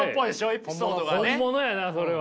本物やなそれは。